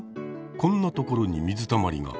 こんなところに水たまりが。